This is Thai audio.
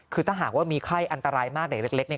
คือถ้าหากว่ามีไข้อันตรายมากเด็กเล็กเนี่ย